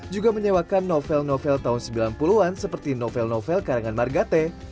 juga menyewakan novel novel tahun sembilan puluh an seperti novel novel karangan margate